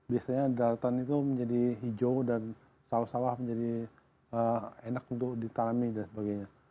biasanya daratan itu menjadi hijau dan sawah sawah menjadi enak untuk ditanami dan sebagainya